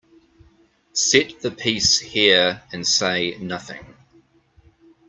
Set the piece here and say nothing.